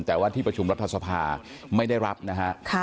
แต่ว่าที่ประชุมรัฐสภาไม่ได้รับนะฮะ